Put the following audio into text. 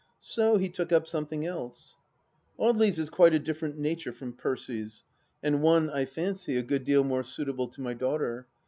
So he took up something else. Audely's is quite a different nature from Percy's, and one, I fancy, a good deal more suitable to my daughter.